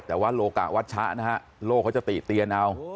แต่ว่าโลกะวัชชะนะฮะโลกเขาจะติเตียนเอา